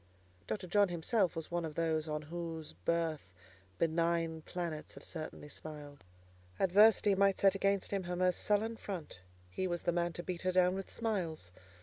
Dr. John himself was one of those on whose birth benign planets have certainly smiled. Adversity might set against him her most sullen front: he was the man to beat her down with smiles.